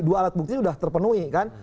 dua alat bukti sudah terpenuhi kan